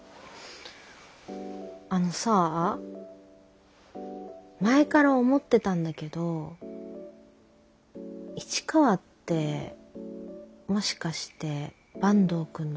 あのさぁ前から思ってたんだけど市川ってもしかして坂東くんのこと。